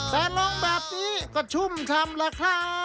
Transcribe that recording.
แต่ลองแบบนี้ก็ชุ่มทำราคา